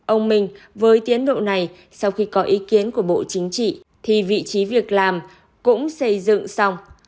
ông minh với tiến độ này sau khi có ý kiến của bộ chính trị thì vị trí việc làm cũng xây dựng xong